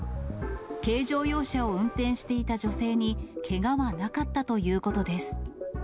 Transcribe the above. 軽乗用車を運転していた女性にけがはなかったということです。